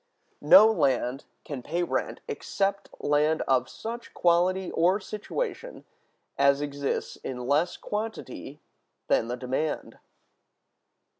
No Land can pay Rent except Land of such Quality or Situation as exists in less Quantity than the Demand.